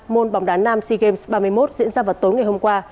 môn bóng đá nam sea games ba mươi một diễn ra vào tối ngày hôm qua